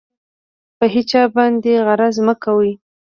په هېچا باندې غرض مه کوئ.